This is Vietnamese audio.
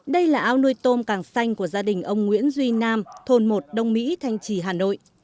đây là ao nuôi tôm càng xanh của gia đình ông nguyễn duy nam thôn một đông mỹ thanh trì hà nội